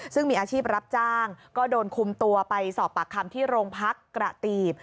ซึ่งมีอาชีพรับจ้างก็โดนคุมตัวไปสอบปากคำที่โรงพักกระตีบ